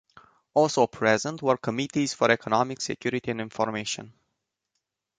Also present were committees for economics, security, and information.